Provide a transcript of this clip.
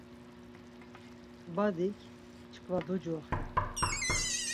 Badik, Çkva ducoxi.